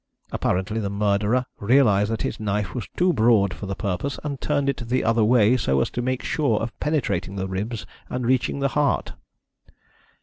Apparently the murderer realised that his knife was too broad for the purpose, and turned it the other way, so as to make sure of penetrating the ribs and reaching the heart."